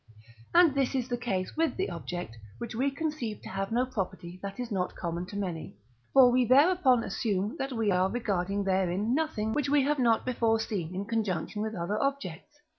And this is the case with the object, which we conceive to have no property that is not common to many. For we thereupon assume that we are regarding therein nothing, which we have not before seen in conjunction with other objects.